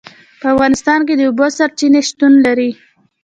په افغانستان کې د اوبو سرچینې شتون لري.